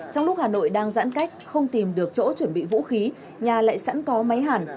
trong lúc hà nội đang giãn cách không tìm được chỗ chuẩn bị vũ khí nhà lại sẵn có máy hẳn